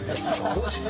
どうして？